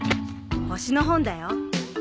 星の本だよ。